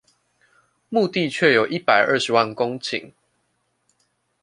牧地卻有一百二十萬公頃